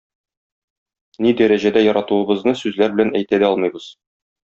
Ни дәрәҗәдә яратуыбызны сүзләр белән әйтә дә алмыйбыз.